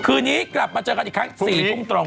คืนนี้กลับมาเจอกันอีกครั้ง๔ทุ่มตรง